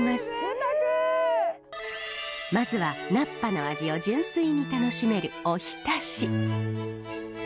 まずは菜っぱの味を純粋に楽しめるおひたし。